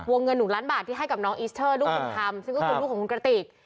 เงิน๑ล้านบาทที่ให้กับน้องอิสเตอร์ลูกบุญธรรมซึ่งก็คือลูกของคุณกระติก